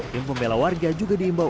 tim pembela warga juga diimbau